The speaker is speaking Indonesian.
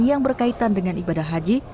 yang berkaitan dengan ibadah haji